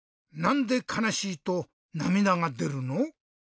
なんでかなしいとなみだがでるの？